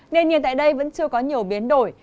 nền nhiệt tại đây vẫn chưa có nhiều biến đổi